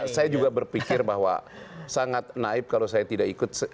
saya juga berpikir bahwa sangat naib kalau saya tidak ikut